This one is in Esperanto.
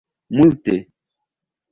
multe